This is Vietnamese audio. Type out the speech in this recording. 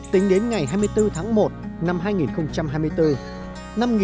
tính đến ngày hai mươi bốn tháng một năm hai nghìn hai mươi bốn